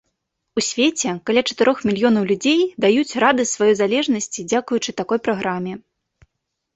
У свеце каля чатырох мільёнаў людзей даюць рады сваёй залежнасці дзякуючы такой праграме.